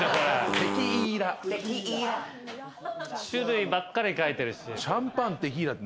種類ばっかり書いてる。